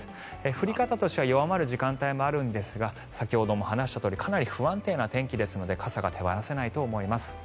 降り方としては弱まる時間帯もあるんですが先ほども話したとおりかなり不安定な天気ですので傘が手放せないと思います。